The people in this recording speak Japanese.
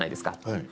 はい。